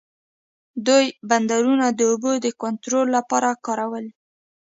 دوی بندرونه د اوبو د کنټرول لپاره کارول.